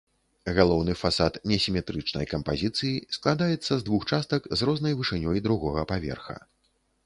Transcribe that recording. Галоўны фасад несіметрычнай кампазіцыі, складаецца з двух частак з рознай вышынёй другога паверха.